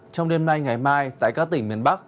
trong đêm nay ngày mai tại các tỉnh miền bắc